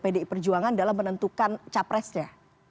pdi perjuangan dalam menentukan capresnya